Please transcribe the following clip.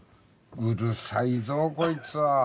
うるさいぞこいつは。